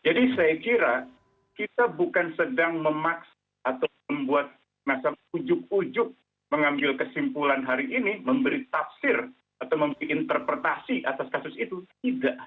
saya kira kita bukan sedang memaksa atau membuat masyarakat ujuk ujuk mengambil kesimpulan hari ini memberi tafsir atau memberi interpretasi atas kasus itu tidak